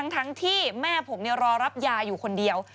ทั้งที่แม่ผมรอรับยาอยู่คนเดียว